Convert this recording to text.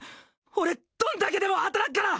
俺どんだけでも働くから。